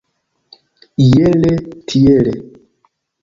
Iele tiele.